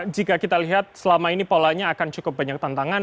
jika kita lihat selama ini polanya akan cukup banyak tantangan